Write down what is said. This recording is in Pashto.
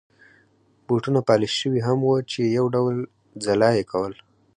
بوټونه پالش شوي هم وو چې یو ډول ځلا يې کول.